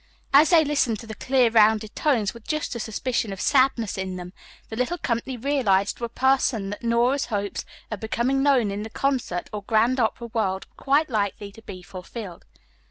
As they listened to the clear, rounded tones, with just a suspicion of sadness in them, the little company realized to a person that Nora's hopes of becoming known in the concert or grand opera world were quite likely to be fulfilled.